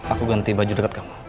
aku ganti baju dekat kamu